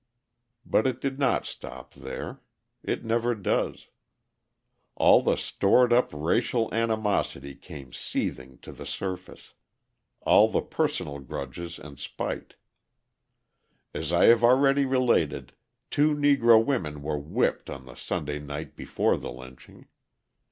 But it did not stop there; it never does. All the stored up racial animosity came seething to the surface; all the personal grudges and spite. As I have already related, two Negro women were whipped on the Sunday night before the lynching.